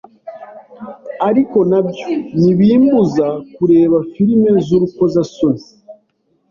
ariko nabyo ntibimbuze kureba filime z’urukozasoni